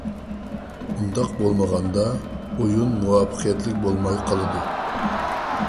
ئۇنداق بولمىغاندا، ئويۇن مۇۋەپپەقىيەتلىك بولماي قالىدۇ.